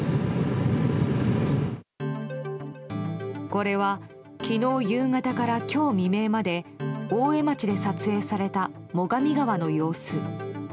これは昨日夕方から今日未明まで大江町で撮影された最上川の様子。